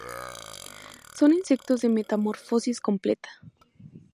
Son insectos de metamorfosis completa.